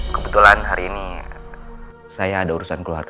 kebetulan hari ini saya ada urusan keluarga